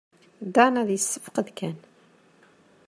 Dan ad yessefqed kan.